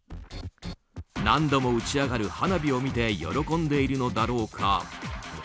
何度も打ち上げる花火を見て喜んでいるのだろうか。